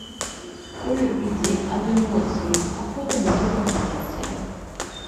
Колер ідзе ад эмоцыі, а потым ужо кампазіцыя.